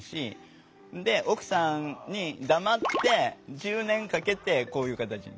奥さんに黙って１０年かけてこういう形に。